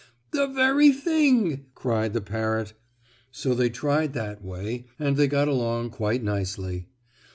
"The very thing!" cried the parrot. So they tried that way, and they got along quite nicely.